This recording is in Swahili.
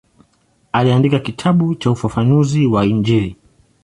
Aliandika kitabu cha ufafanuzi wa Injili.